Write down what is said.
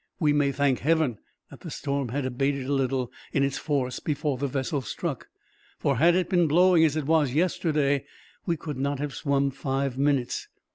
"We may thank heaven that the storm had abated a little, in its force, before the vessel struck; for had it been blowing as it was yesterday, we could not have swum five minutes.